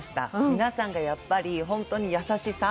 皆さんがやっぱり本当に優しさ？